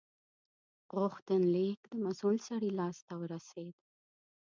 غوښتنلیک د مسول سړي لاس ته ورسید.